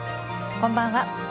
こんばんは。